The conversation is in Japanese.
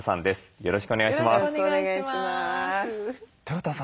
よろしくお願いします。